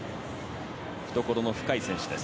懐の深い選手です。